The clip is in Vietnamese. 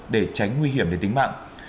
để tránh nguy hiểm đến tính mạng